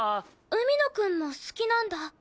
海野くんも好きなんだ。